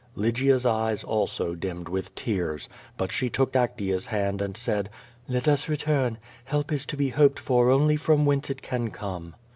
Lygia's eyes, also, dimmed with tears. But she took Actea's hand and said: "Let us return. Help is to be hoped for only from whence it can come."